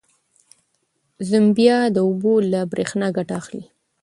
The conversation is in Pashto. زمبیا د اوبو له برېښنا ګټه اخلي.